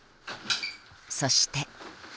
そして。